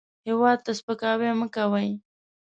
هېواد ته سپکاوی مه کوئ